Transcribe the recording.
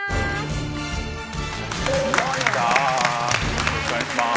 よろしくお願いします。